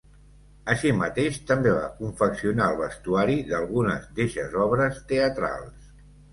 Així mateix també va confeccionar el vestuari d'algunes d'eixes obres teatrals.